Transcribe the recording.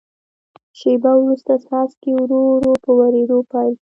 شیبه وروسته څاڅکي ورو ورو په ورېدو پیل شول.